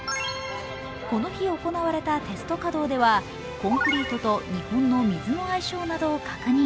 この日、行われたテスト稼働ではコンクリートと日本の水の相性などを確認。